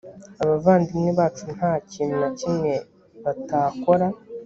abavandimwe bacu nta kintu na kimwe batakora